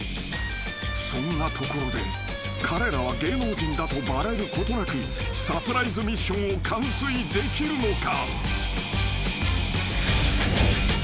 ［そんなところで彼らは芸能人だとバレることなくサプライズミッションを完遂できるのか？］